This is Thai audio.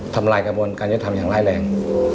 ทำลายกระบวนการยุทธรรมอย่างร้ายแรง